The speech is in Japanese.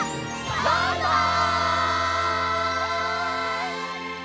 バイバイ！